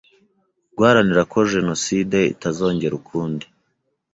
guharanira ko Jenoside itazongera ukundi.